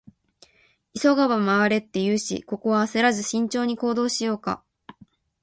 「急がば回れ」って言うし、ここは焦らず慎重に行動しようか。